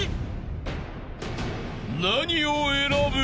［何を選ぶ？］